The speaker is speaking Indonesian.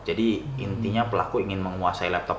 jadi intinya pelaku ingin menguasai laptop